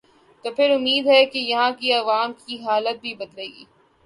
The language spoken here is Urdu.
توپھر امید ہے کہ یہاں کے عوام کی حالت بھی بدلے گی۔